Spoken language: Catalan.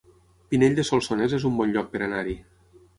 Pinell de Solsonès es un bon lloc per anar-hi